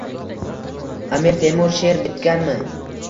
Amir Temur sheʼr bitganmi?